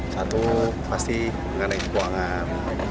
satu pasti mengenai keuangan